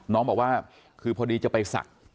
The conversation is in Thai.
น้องบอกว่าคือพอดีจะไปศักดิ์